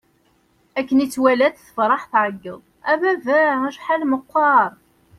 Akken i tt-walat, tefṛeḥ, tɛeggeḍ: A baba! Acḥal meqqeṛ!